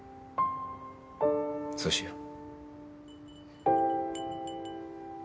そうしよう。